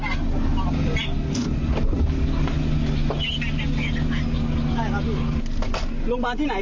ช่วยด้วยแม่เตียนละกัน